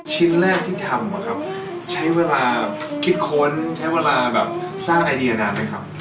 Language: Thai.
ชิ้นแรกที่ทำอะครับใช้เวลาคิดค้นใช้เวลาแบบสร้างไอเดียนานไหมครับ